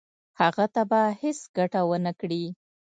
هغه ته به هیڅ ګټه ونه کړي.